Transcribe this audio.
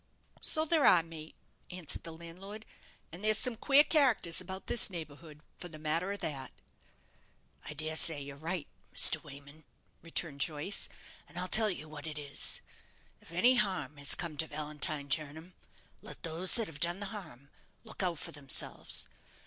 "So there are, mate," answered the landlord; "and there's some queer characters about this neighbourhood, for the matter of that." "I dare say you're right, Mr. Wayman," returned Joyce; "and I'll tell you what it is. If any harm has come to Valentine Jernam, let those that have done the harm look out for themselves.